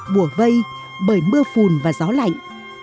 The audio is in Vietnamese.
bùa vây bởi mưa phùn và gió lạnh